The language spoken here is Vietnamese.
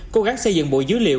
cố gắng xây dựng bộ dữ liệu